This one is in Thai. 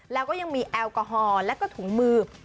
แล้วก็ยังมีแอลกอฮอล์แล้วก็ถุงมือ